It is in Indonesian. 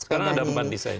sekarang ada empat desain